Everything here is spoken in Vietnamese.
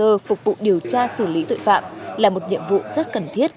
cơ phục vụ điều tra xử lý tội phạm là một nhiệm vụ rất cần thiết